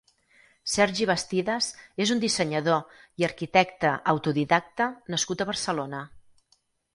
Sergi Bastidas és un dissenyador i arquitecte autodidacta nascut a Barcelona.